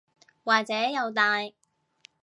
或者又大